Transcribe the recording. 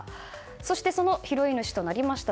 そして、その拾い主となりました